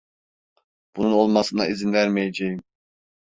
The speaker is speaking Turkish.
Bunun olmasına izin vermeyeceğim.